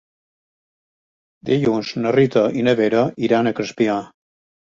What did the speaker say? Dilluns na Rita i na Vera iran a Crespià.